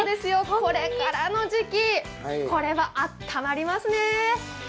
これからの時期、これはあったまりますね。